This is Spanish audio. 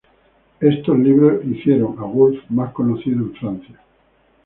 Estos libros hicieron a Wolff más conocido en Francia.